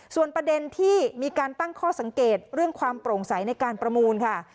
ส่วนประเด็นที่มีการตั้งข้อสังเกตเรื่องความโปร่งใสในการประมูลค่ะ